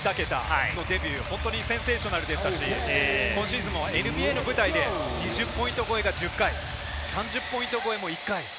そのデビュー、センセーショナルでしたし、今シーズンもＮＢＡの舞台で２０ポイント超えが１０回、３０ポイント超えも１回。